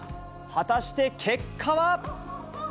果たして結果は？